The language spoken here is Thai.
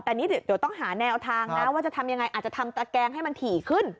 แต่นี่เดี๋ยวต้องหาแนวทางนะว่าจะทำยังไงอาจจะทำตะแกงให้มันถี่ขึ้น